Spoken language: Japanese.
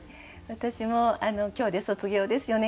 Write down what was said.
私も今日で卒業です。